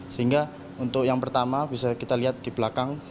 sehingga untuk yang pertama bisa kita lihat di belakang